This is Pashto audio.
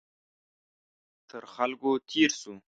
تر خلکو تېر شو.